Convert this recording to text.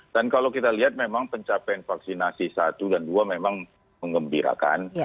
dan kalau kita lihat memang pencapaian vaksinasi satu dan dua memang mengembirakan